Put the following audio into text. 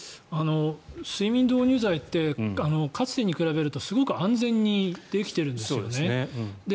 睡眠導入剤ってかつてに比べるとすごく安全にできてるんですよね。